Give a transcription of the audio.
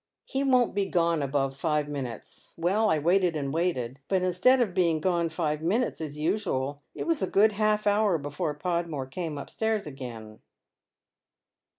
He won't he ^one above five minutes.' Well, I waited and waited but instead of being gone five minutes as usual, it was a good half hour before Podmore came upstairs again."